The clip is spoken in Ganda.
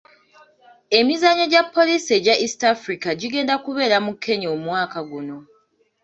Emizannyo gya poliisi egya East Africa gigenda kubeera mu Kenya omwaka guno.